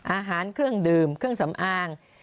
อาหารเครื่องดื่มเครื่องสำอาง